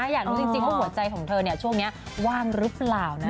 อยากรู้จริงเพราะหัวใจของเธอเนี่ยช่วงนี้ว่างรึเปล่านะคะ